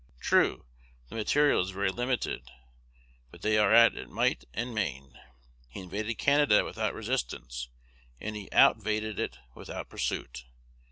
True, the material is very limited, but they are at it might and main. He invaded Canada without resistance, and he _out_vaded it without pursuit.